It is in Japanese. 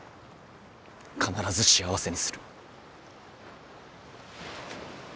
必ず幸せにする。